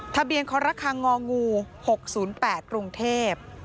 ทะเบียนครง๖๐๘กรุงเทพฯ